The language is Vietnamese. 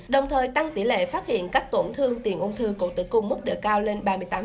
đồng thời tăng tỷ lệ phát hiện các tổn thương tiền ung thư cổ tử cung mức độ cao lên ba mươi tám